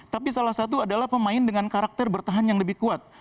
tapi salah satu adalah pemain dengan karakter bertahan yang lebih kuat